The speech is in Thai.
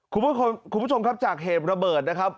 คุณผู้ชมครับจากเหตุระเบิดนะครับ